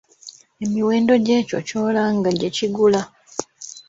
Emiwendo gy'ekyo ky'olanga gyekigula.